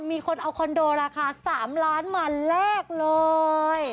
มีคนเอาคอนโดราคา๓ล้านมาแลกเลย